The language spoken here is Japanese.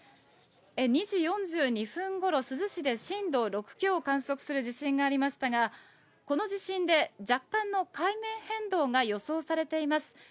２時４２分ごろ、珠洲市で震度６強を観測する地震がありましたが、この地震で若干の海面変動が予想されています。